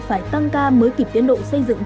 phải tăng ca mới kịp tiến độ xây dựng